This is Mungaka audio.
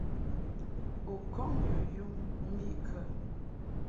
U kɔŋ yɔ yum mbiʼkə?